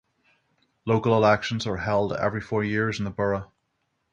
Local elections are held every four years in the borough.